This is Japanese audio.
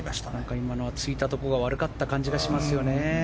今のは突いたところが悪かった感じがしますよね。